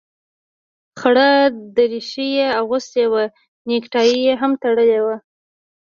خړه دريشي يې اغوستې وه نيكټايي يې هم تړلې وه.